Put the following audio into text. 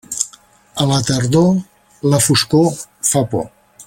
A la tardor, la foscor fa por.